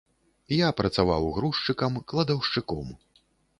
Я працаваў грузчыкам, кладаўшчыком.